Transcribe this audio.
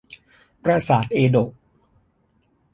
ปราสาทเอโดะ